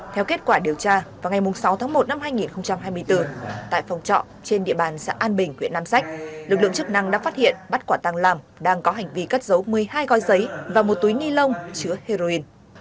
theo kết quả điều tra vào ngày sáu tháng một năm hai nghìn hai mươi bốn tại phòng trọ trên địa bàn xã an bình huyện nam sách lực lượng chức năng đã phát hiện bắt quả tăng lam đang có hành vi cất giấu một mươi hai gói giấy và một túi ni lông chứa heroin